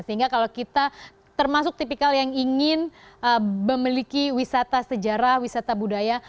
sehingga kalau kita termasuk tipikal yang ingin memiliki wisata sejarah wisata budaya